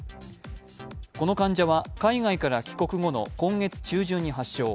この患者、海外から帰国後の今月中旬に発症。